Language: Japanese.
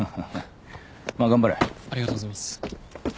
ありがとうございます。